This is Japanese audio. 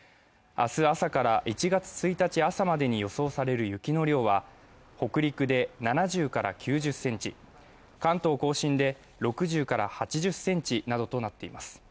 明日朝から１月１日朝までに予想される雪の量は、北陸で７０９０ｃｍ、関東甲信で６０８０ｃｍなどとなっています。